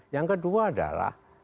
yang kedua adalah